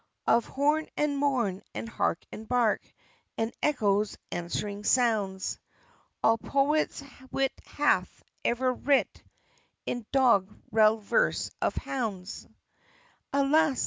Of horn and morn, and hark and bark, And echo's answering sounds, All poets' wit hath ever writ In dog rel verse of hounds. Alas!